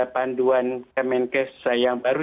kandungan kemenkes yang baru